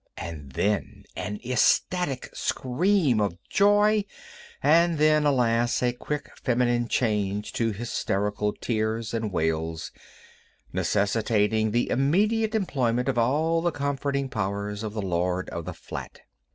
And then an ecstatic scream of joy; and then, alas! a quick feminine change to hysterical tears and wails, necessitating the immediate employment of all the comforting powers of the lord of the flat.